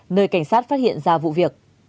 nơi cảnh sát phát hiện ra vụ việc